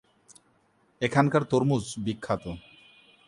এখানকার তরমুজ বিখ্যাত।